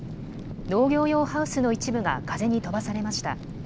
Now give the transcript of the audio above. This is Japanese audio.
農業用ハウスの一部が風に飛ばされました。